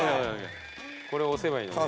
これを押せばいいのね。